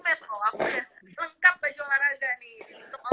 lengkap baju olahraga nih